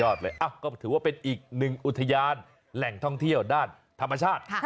ก็ถือว่าเป็นอีกหนึ่งอุทยานแหล่งท่องเที่ยวด้านธรรมชาติ